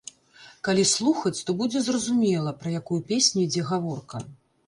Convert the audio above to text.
Калі слухаць, то будзе зразумела, пра якую песню ідзе гаворка.